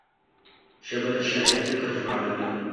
ژبه د شاعر فکر ژباړوي